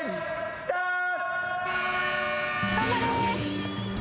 スタート。